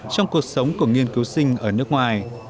trong cuộc sống của nghiên cứu sinh ở nước ngoài